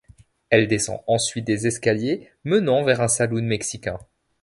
Elle descend ensuite des escaliers menant vers un saloon mexicain.